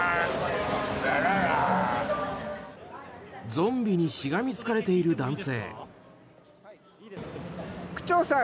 ゾンビにしがみつかれている男性。